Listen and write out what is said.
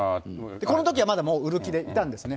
このときはまだ売る気でいたんですね。